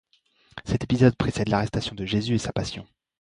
Cet épisode précède l'arrestation de Jésus et sa Passion.